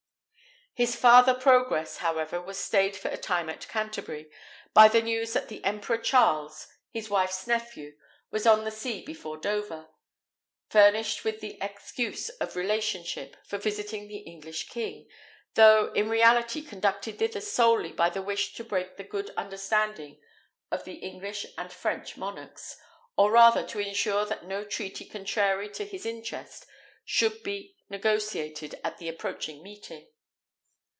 His farther progress, however, was stayed for a time at Canterbury, by the news that the emperor Charles, his wife's nephew, was on the sea before Dover, furnished with the excuse of relationship for visiting the English king, though in reality conducted thither solely by the wish to break the good understanding of the English and French monarchs; or rather to ensure that no treaty contrary to his interest should be negotiated at the approaching meeting.